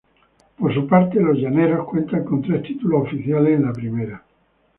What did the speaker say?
Por su parte, los "llaneros" cuentan con tres títulos oficiales en la Primera.